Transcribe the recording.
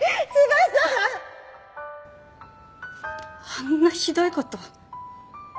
あんなひどい事！